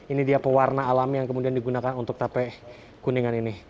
ini dia pewarna alam yang kemudian digunakan untuk tape kuningan ini